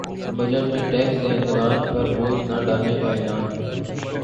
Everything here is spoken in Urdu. بجٹ میں ٹیکس دہندگان پر بوجھ نہ ڈالنے کا اعلان